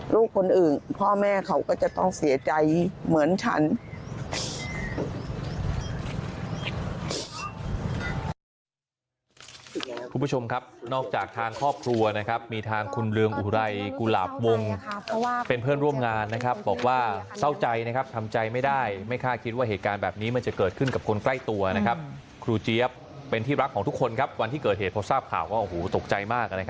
ลูกคนอื่นพ่อแม่เขาก็จะต้องเสียใจ